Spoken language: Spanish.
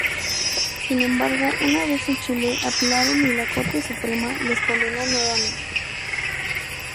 Sin embargo, una vez en Chile apelaron y la corte suprema les condenó nuevamente.